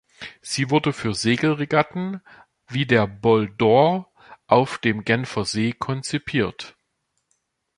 Sie wurde für Segelregatten wie der Bol d’Or auf dem Genfersee konzipiert.